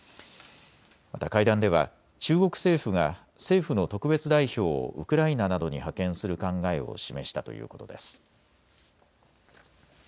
また会談では中国政府が政府の特別代表をウクライナなどに派遣する考えを示したということです。